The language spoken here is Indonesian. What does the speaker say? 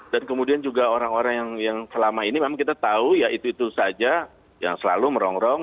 dan kemudian juga orang orang yang selama ini memang kita tahu ya itu itu saja yang selalu merongrong